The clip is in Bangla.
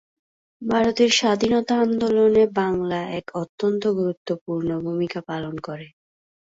ভারতের স্বাধীনতা আন্দোলনে বাংলা এক অত্যন্ত গুরুত্বপূর্ণ ভূমিকা গ্রহণ করে।